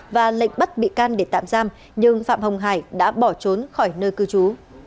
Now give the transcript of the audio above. và lệnh bắt bị can để tạm giam nhưng phạm hồng hải đã bỏ trốn khỏi nơi cư trú